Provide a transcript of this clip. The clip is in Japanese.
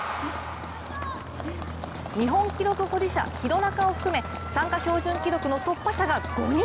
日本記録保持者、廣中を含め参加標準記録の突破者が５人。